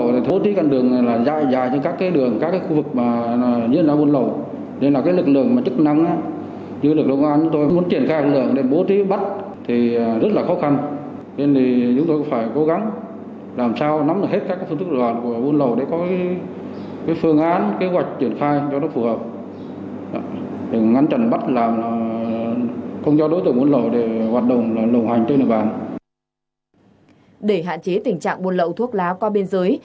để hạn chế tình trạng buôn lậu thuốc lá qua biên giới